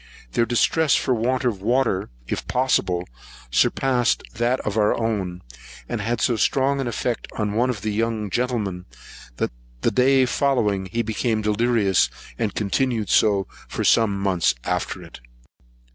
Their distress for want of water, if possible, surpassed that of our own, and had so strong an effect on one of the young gentlemen, that the day following he became delirious, and continued so for some months after it.